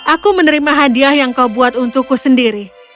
aku menerima hadiah yang kau buat untukku sendiri